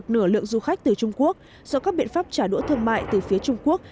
nửa lượng du khách từ trung quốc do các biện pháp trả đũa thương mại từ phía trung quốc